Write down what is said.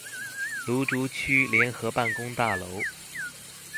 蘆竹區聯合辦公大樓